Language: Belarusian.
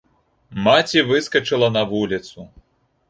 Маці выскачыла на вуліцу.